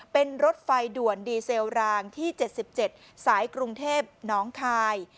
เป็นรถไฟด่วนดีเซลรางที่๗๗สายกรุงเทพน้องคาย